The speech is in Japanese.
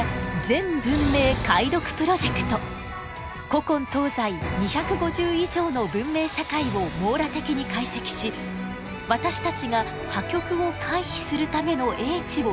古今東西２５０以上の文明社会を網羅的に解析し私たちが破局を回避するための英知を探ります。